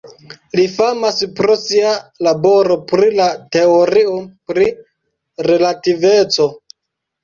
Li famas pro sia laboro pri la teorio pri relativeco.